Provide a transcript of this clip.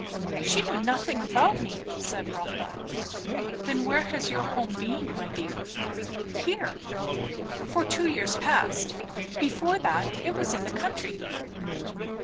"She knew nothing about me," said Rotha. "Then where has your home been, my dear?" "Here, for two years past. Before that, it was in the country."